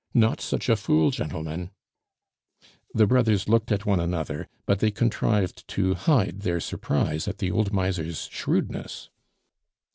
Not such a fool, gentlemen " The brothers looked at one another, but they contrived to hide their surprise at the old miser's shrewdness.